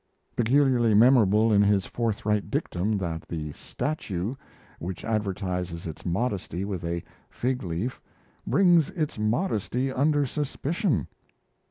Peculiarly memorable is his forthright dictum that the statue which advertises its modesty with a fig leaf brings its modesty under suspicion.